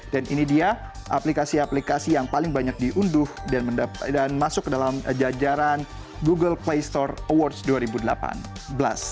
ini dia aplikasi aplikasi yang paling banyak diunduh dan masuk ke dalam jajaran google play store awards dua ribu delapan belas